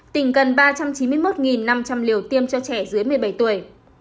tỉnh cần ba trăm chín mươi một năm trăm linh liều tiêm cho trẻ dưới một mươi bảy tuổi